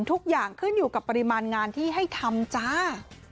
ทุกอย่างขึ้นอยู่กับปริมาณงานที่ให้ทำจ้า